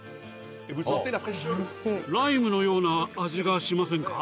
ライムのような味がしませんか？